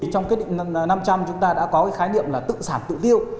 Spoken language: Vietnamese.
trong quyết định năm trăm linh chúng ta đã có khái niệm là tự sản tự tiêu